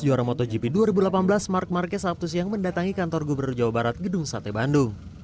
juara motogp dua ribu delapan belas mark marquez sabtu siang mendatangi kantor gubernur jawa barat gedung sate bandung